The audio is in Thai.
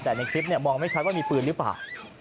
แต่ในคลิปมองไม่ชัดว่ามีปืนหรือเปล่า